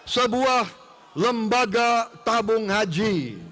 sebuah lembaga tabung haji